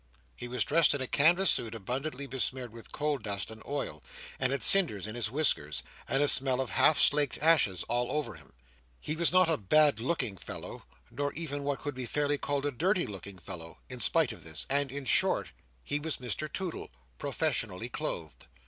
He was dressed in a canvas suit abundantly besmeared with coal dust and oil, and had cinders in his whiskers, and a smell of half slaked ashes all over him. He was not a bad looking fellow, nor even what could be fairly called a dirty looking fellow, in spite of this; and, in short, he was Mr Toodle, professionally clothed.